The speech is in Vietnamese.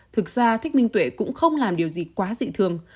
thực ra thích minh tuệ cũng không làm điều gì quá dị thường